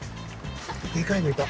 でかいのいた。